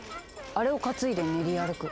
あれを担いで練り歩く。